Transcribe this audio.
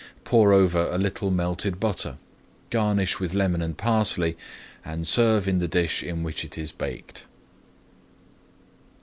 Pour over a little melted butter, garnish with lemon and parsley, and serve in the dish in which it is baked.